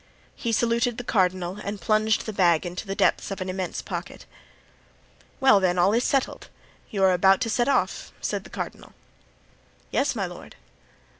He saluted the cardinal and plunged the bag into the depths of an immense pocket. "Well, then, all is settled; you are to set off," said the cardinal. "Yes, my lord."